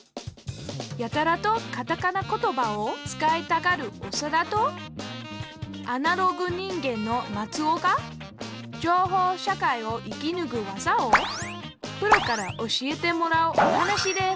やたらとカタカナ言葉を使いたがるオサダとアナログ人間のマツオが情報社会を生きぬく技をプロから教えてもらうお話です